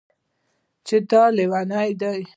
چې دا لېونۍ ده